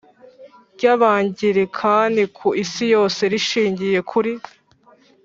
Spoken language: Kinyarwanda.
ry Abangilikani ku isi yose rishingiye kuri